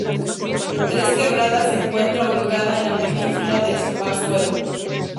Tres Quebradas se encuentra ubicada en la península de Azuero.